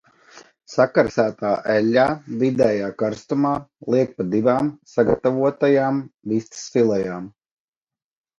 Sakarsētā eļļā vidējā karstumā liek pa divām sagatavotajām vistas filejām.